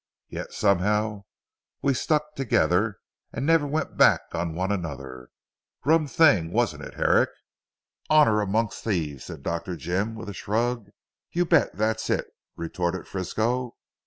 Yet somehow we stuck together, and never went back on one another. Rum thing wasn't it Herrick." "Honour amongst thieves," said Dr. Jim with a shrug. "You bet that's it," retorted Frisco.